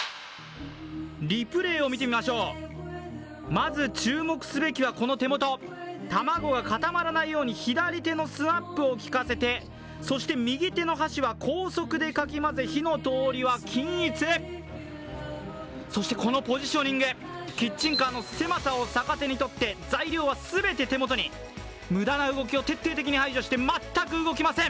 リプレーを見てみましょう、まず注目すべきはこの手元卵が固まらないように左手のスナップをきかせてそして右手の箸は高速でかき混ぜ火の通りは均一、そしてこのポジショニングキッチンカーの狭さを逆手にとって材料は全て手元に無駄な動きを徹底的に排除して全く動きません！